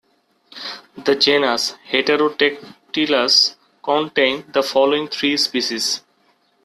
The genus "Heterodactylus" contains the following three species.